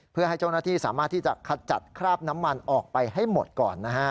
เพื่อให้เจ้าหน้าที่สามารถที่จะขจัดคราบน้ำมันออกไปให้หมดก่อนนะฮะ